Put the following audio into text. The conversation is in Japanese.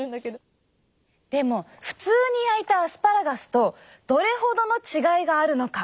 でも普通に焼いたアスパラガスとどれほどの違いがあるのか。